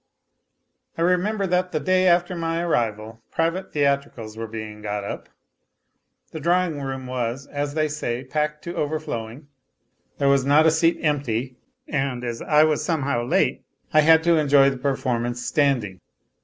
I remember that the day after my arrival private theatricals were being got up. The drawing room was, as they say, packed to overflowing ; there was not a seat empty, and as I was somehow late I had to enjoy the performance standing.